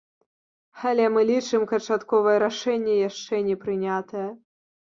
Але мы лічым, канчатковае рашэнне яшчэ не прынятае.